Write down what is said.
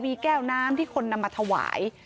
มีแก้วน้ำที่คนนำมาถวาย